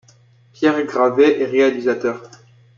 Pierre Gravet est réalisateur.